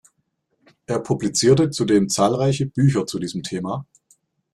Er publizierte zudem zahlreiche Bücher zu diesem Thema.